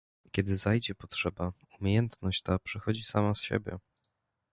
Kiedy zajdzie potrzeba, umiejętność ta przychodzi sama z siebie.